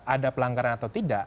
ada pelanggaran atau tidak